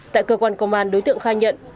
tại cơ quan công an đối tượng khai nhận